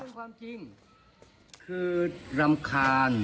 ความจริงคือรำคาญ